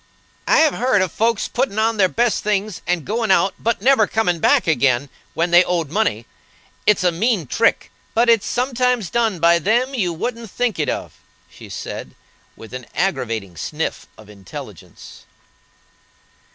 "I have heard of folks putting on their best things and going out, but never coming back again, when they owed money. It's a mean trick, but it's sometimes done by them you wouldn't think it of," she said, with an aggravating sniff of intelligence.